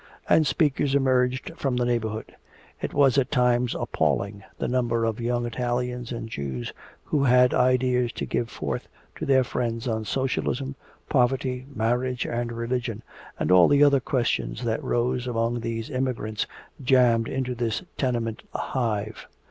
And speakers emerged from the neighborhood. It was at times appalling, the number of young Italians and Jews who had ideas to give forth to their friends on socialism, poverty, marriage and religion, and all the other questions that rose among these immigrants jammed into this tenement hive.